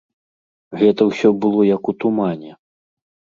Гэта ўсё было як у тумане.